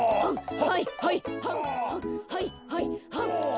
はいはいはんはん。